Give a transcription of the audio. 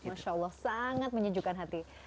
masya allah sangat menyejukkan hati